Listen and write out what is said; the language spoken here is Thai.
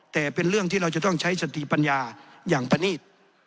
แต่เป็นเรื่องที่เราจะต้องใช้สติปัญญาอย่างประนีต